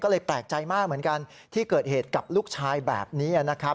ก็เลยแปลกใจมากเหมือนกันที่เกิดเหตุกับลูกชายแบบนี้นะครับ